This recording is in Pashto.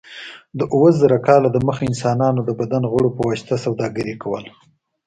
د اوه زره کاله دمخه انسانانو د بدن غړو په واسطه سوداګري کوله.